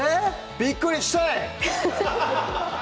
びっくりしたい！